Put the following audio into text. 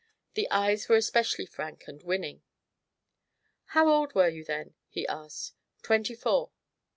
The eyes were especially frank and winning. "How old were you then?" he asked. "Twenty four."